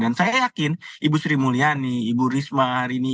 saya yakin ibu sri mulyani ibu risma hari ini